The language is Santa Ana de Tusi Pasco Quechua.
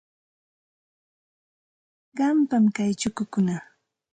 Qampam kay chukukuna.